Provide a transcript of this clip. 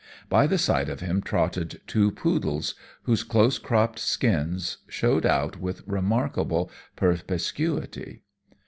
By the side of him trotted two poodles, whose close cropped skins showed out with remarkable perspicuity.